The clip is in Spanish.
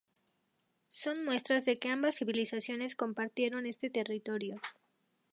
Son muestras de que ambas civilizaciones compartieron este territorio.